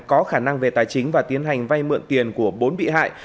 có khả năng về tài chính và tiến hành vay mượn tiền của bốn bị hại